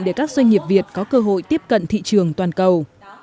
để các doanh nghiệp việt có cơ hội tiếp cận thị trường toàn cầu